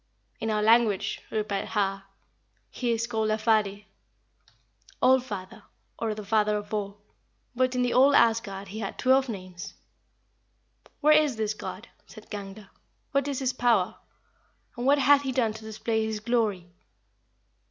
"In our language," replied Har, "he is called Alfadir (All Father, or the Father of all); but in the old Asgard he had twelve names." "Where is this God?" said Gangler; "what is his power? and what hath he done to display his glory?"